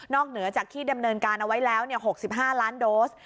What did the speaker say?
เหนือจากที่ดำเนินการเอาไว้แล้ว๖๕ล้านโดส